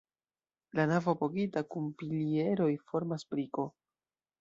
La navo apogita kun pilieroj formas briko.